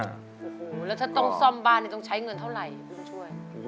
โอ้โหแล้วถ้าต้องซ่อมบ้านต้องใช้เงินเท่าไหร่บุญช่วย